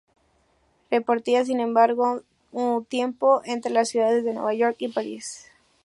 Repartía sin embargo su tiempo entre las ciudades de Nueva York y París.